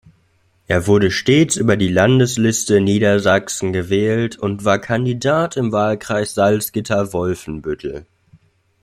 Er wurde stets über die Landesliste Niedersachsen gewählt und war Kandidat im Wahlkreis Salzgitter-Wolfenbüttel.